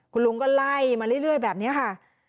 คุณลุงก็ไล่มาเรื่อยแบบนี้ค่ะ